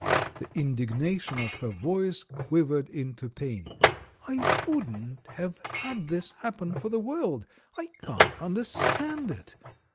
The indignation of her voice quivered into pain. "I wouldn't have had this happen for the world — I can't understand it!"